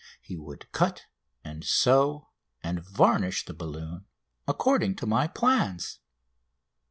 He would cut and sew and varnish the balloon according to my plans.